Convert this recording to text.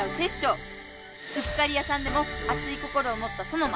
「『う』っかりやさんでもあつい心をもったソノ『マ』」！